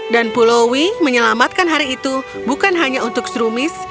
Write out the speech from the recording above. dan puloie menyelamatkan hari itu bukan hanya untuk shroomis